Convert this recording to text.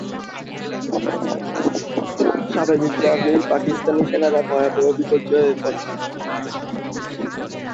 স্বাভাবিকভাবেই পাকিস্তানি সেনারা ভয়াবহ বিপর্যয়ে পড়ে।